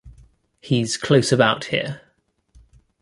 He's close about here.